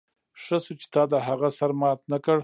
ښه شو چې تا د هغه سر مات نه کړ